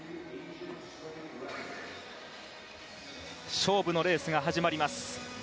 勝負のレースが始まります。